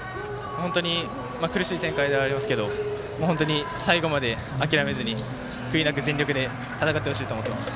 本当に苦しい展開ではありますが最後まで諦めずに悔いなく全力で戦ってほしいと思っています。